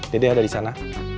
dede ada disana